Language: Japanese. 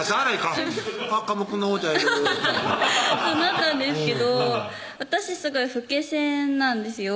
そうなったんですけど私すごい老け専なんですよ